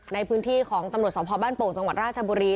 ในพื้นที่ของตำรวจสพบ้านโป่งจังหวัดราชบุรี